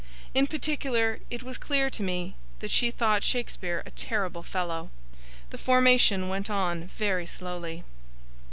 In particular, it was clear to me, that she thought Shakespeare a terrible fellow. The formation went on very slowly.